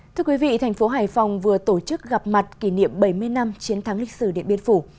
thưa quý vị thành phố hải phòng vừa tổ chức gặp mặt kỷ niệm bảy mươi năm chiến thắng lịch sử điện biên phủ